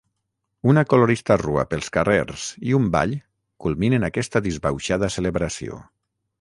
Una colorista rua pels carrers i un ball culminen aquesta disbauxada celebració.